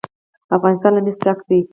افغانستان له مس ډک دی.